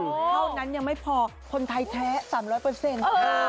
ข้าวนั้นยังไม่พอคนไทยแท้สามร้อยเปอร์เซ็นต์